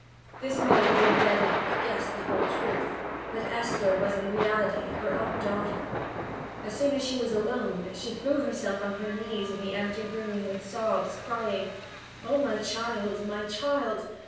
This made Lady Dedlock guess the whole truth that Esther was in reality her own daughter. As soon as she was alone, she threw herself on her knees in the empty room with sobs, crying: "Oh, my child! My child!